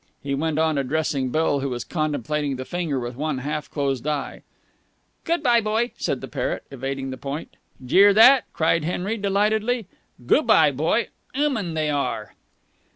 he went on, addressing Bill, who was contemplating the finger with one half closed eye. "Good bye, boy," said the parrot, evading the point. "Jear that?" cried Henry delightedly. "'Goo' bye, boy!' 'Uman they are!"